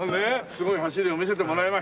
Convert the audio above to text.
すごい走りを見せてもらいました。